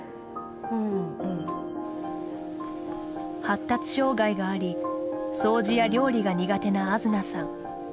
発達障害があり掃除や料理が苦手なあづなさん。